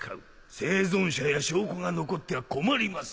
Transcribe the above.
生存者や証拠が残っては困ります。